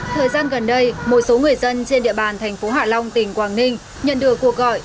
thời gian gần đây một số người dân trên địa bàn thành phố hạ long tỉnh quảng ninh nhận được cuộc gọi